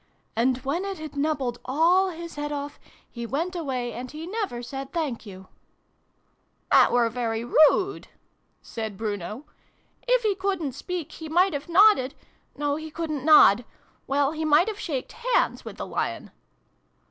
" And when it had nubbled alt his head off, he went away, and he never said ' thank you '!"" That were very rude," said Bruno. " If he couldn't speak, he might have nodded no, he couldn't nod. Well, he might have shaked hands with the Lion